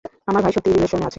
আমার ভাই সত্যিই রিলেশনে আছে!